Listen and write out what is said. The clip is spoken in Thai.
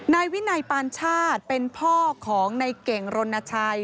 นายวินัยปานชาติเป็นพ่อของในเก่งรณชัย